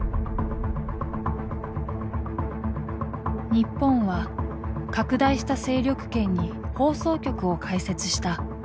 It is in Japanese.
日本は拡大した勢力圏に放送局を開設した。